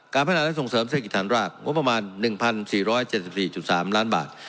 พัฒนาและส่งเสริมเศรษฐกิจฐานรากงบประมาณ๑๔๗๔๓ล้านบาท